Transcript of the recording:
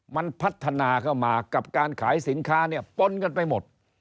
มันพัฒนาเข้ามากับการขายสินค้าเนี่ยปนกันไปหมด